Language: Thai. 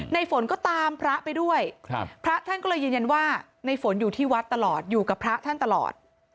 ฝนก็ตามพระไปด้วยพระท่านก็เลยยืนยันว่าในฝนอยู่ที่วัดตลอดอยู่กับพระท่านตลอด